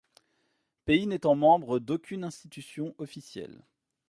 Pays n’étant membres d’aucune institution officielle.